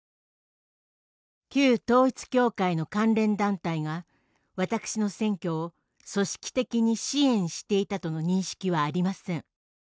「旧統一教会の関連団体が私の選挙を組織的に支援していたとの認識はありません。